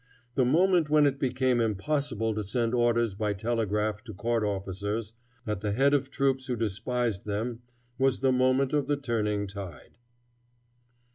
The moment when it became impossible to send orders by telegraph to court officers, at the head of troops who despised them, was the moment of the turning tide."